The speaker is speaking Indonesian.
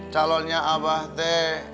calonnya abah te